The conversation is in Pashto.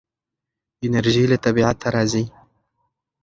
انرژي له طبیعته راځي.